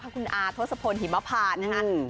คุณอาทศพลหิมพานนะคะ